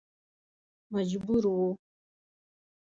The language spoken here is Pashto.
مجبور و.